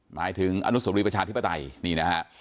หมายถึงอนุสมฤทธิปไตยนี่นะฮะ